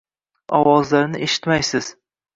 Ovozlarini eshitmaysiz